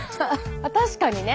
確かにね。